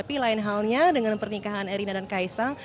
sebenarnya dengan pernikahan erina dan ks sang